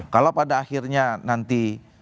kalau pada akhirnya nanti